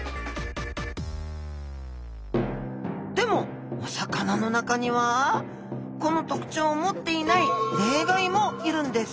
でもお魚の中にはこの特徴を持っていない例外もいるんです。